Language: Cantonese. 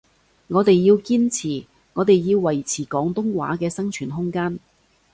我哋要堅持，我哋要維持廣東話嘅生存空間